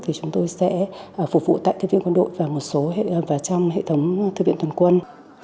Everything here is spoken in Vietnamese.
thì chúng tôi sẽ phục vụ tại cơ viên quân đội và một số trong hệ thống thư viện tuần quân